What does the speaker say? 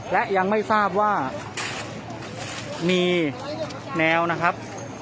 มันก็ไม่ต่างจากที่นี่นะครับ